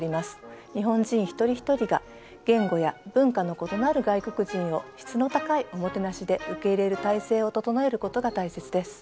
日本人一人一人が言語や文化の異なる外国人を質の高いおもてなしで受け入れる体制を整えることが大切です。